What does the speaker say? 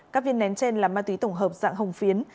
các viên nén trên là ma túy tổng hợp dạng hồng phiến